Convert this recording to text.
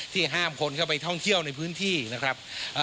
ห้ามคนเข้าไปท่องเที่ยวในพื้นที่นะครับ